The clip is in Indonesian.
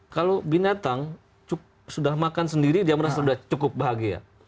kalau binatang sudah makan sendiri dia merasa sudah cukup bahagia